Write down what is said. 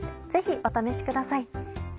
ぜひお試しください。